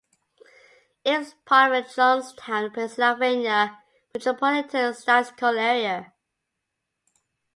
It is part of the Johnstown, Pennsylvania Metropolitan Statistical Area.